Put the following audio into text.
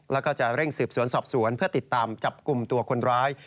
แล้วก็จะเร่งสืบสวนสอบสวนเพื่อติดตามจับกลุ่มตัวคนร้าย